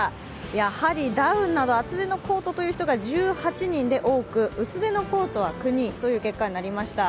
やはりダウンなど厚手のコートという人が１８人で多く薄手のコートは９人という結果となりました。